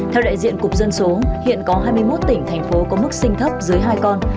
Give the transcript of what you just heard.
theo đại diện cục dân số hiện có hai mươi một tỉnh thành phố có mức sinh thấp dưới hai con